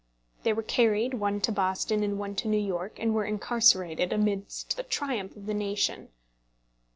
They were carried, one to Boston and one to New York, and were incarcerated, amidst the triumph of the nation.